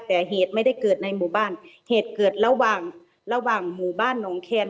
แต่เหตุไม่ได้เกิดในหมู่บ้านเหตุเกิดระหว่างระหว่างหมู่บ้านหนองแคน